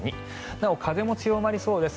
なお、風も強まりそうです。